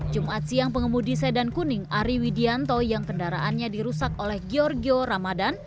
jumat siang pengemudi sedan kuning ari widianto yang kendaraannya dirusak oleh giorgio ramadhan